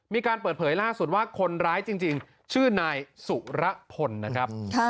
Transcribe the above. มีการเปิดเผยล่าสุดว่าคนร้ายจริงชื่อนายสุรพลนะครับ